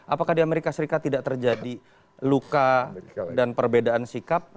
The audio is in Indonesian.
apakah di amerika serikat tidak terjadi luka dan perbedaan sikap